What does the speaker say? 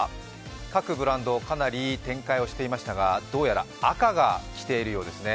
各ブランド、かなり展開をしていましたが、どうやら赤がきているようですね。